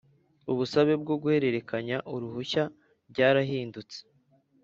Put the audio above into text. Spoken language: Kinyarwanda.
Ubusabe bwo guhererekanya uruhushya byarahindutse